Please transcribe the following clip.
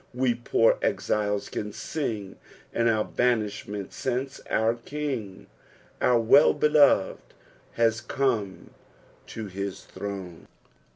We poor exiles can sing in our banish ment since our King, our Wellbeloved, has come to his throne.